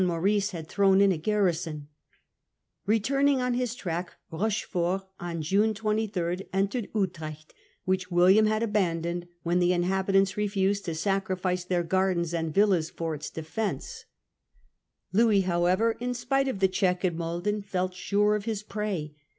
Re turning on his track, Rochefort on June 23 entered Utrecht, which William had abandoned when the inhabi tants refused to sacrifice their gardens and villas for its defence. Louis however, in spite of the check at Muyden, felt sure of his prey.